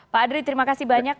pak adri terima kasih banyak